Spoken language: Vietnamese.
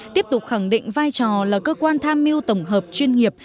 tiếp tục khẳng định vai trò là cơ quan tham mưu tổng hợp chuyên nghiệp